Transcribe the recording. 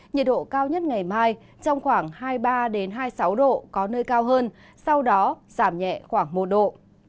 nhiệt độ cao nhất ngày mai trong khoảng hai mươi ba hai mươi sáu độ có nơi cao hơn sau đó giảm nhẹ khoảng một độ